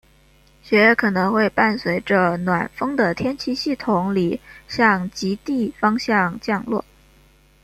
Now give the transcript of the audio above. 雪可能会伴随着暖锋的天气系统里向极地方向降落。